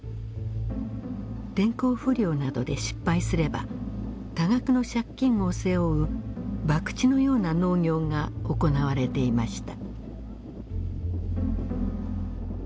天候不良などで失敗すれば多額の借金を背負う博打のような農業が行われていました。